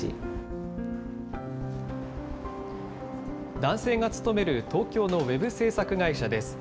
男性が勤める東京のウェブ制作会社です。